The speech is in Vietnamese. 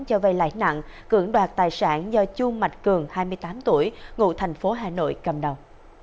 cho vay lãi nặng cưỡng đoạt tài sản do chu mạch cường hai mươi tám tuổi ngụ thành phố hà nội cầm đầu